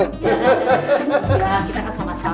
kita akan sama sama